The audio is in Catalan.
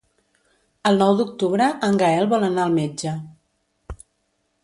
El nou d'octubre en Gaël vol anar al metge.